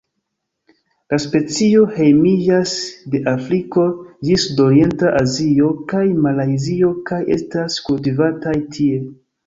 La specio hejmiĝas de Afriko ĝis Sudorienta Azio kaj Malajzio kaj estas kultivataj tie.